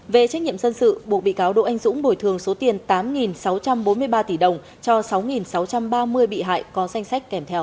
về trách nhiệm dân sự buộc bị cáo đỗ anh dũng bồi thường số tiền tám sáu trăm bốn mươi ba tỷ đồng cho sáu sáu trăm ba mươi bị hại có danh sách kèm theo